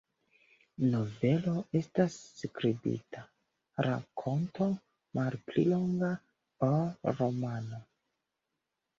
Novelo estas skribita rakonto, malpli longa ol romano.